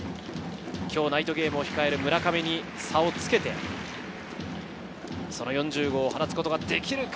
今日ナイトゲームを控える村上に差をつけてその４０号を放つことができるか。